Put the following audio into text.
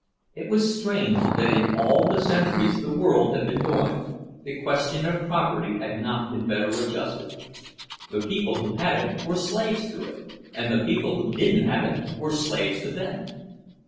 It was strange that in all the centuries the world had been going, the question of property had not been better adjusted. The people who had it were slaves to it, and the people who didn't have it were slaves to them.